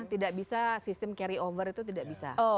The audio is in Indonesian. tidak bisa sistem carry over itu tidak bisa